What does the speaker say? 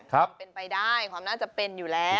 ความเป็นไปได้ความน่าจะเป็นอยู่แล้ว